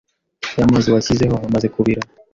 Ya mazi washyizeho amaze kubira